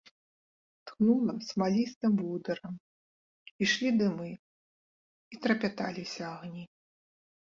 Тхнула смалістым водырам, ішлі дымы, і трапяталіся агні.